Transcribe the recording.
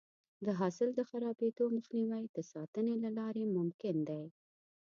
د حاصل د خرابېدو مخنیوی د ساتنې له لارې ممکن دی.